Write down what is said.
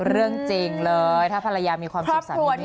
เรื่องจริงเลยถ้าภรรยามีความสุขสามีนี้